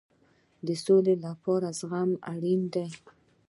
د سولې لپاره زغم اړین دی